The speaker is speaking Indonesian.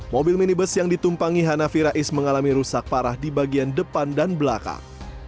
mobil minibus yang ditumpangi hanafi rais mengalami rusak parah di bagian depan dan belakang